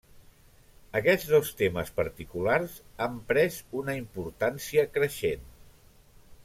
Aquests dos temes particulars han pres una importància creixent.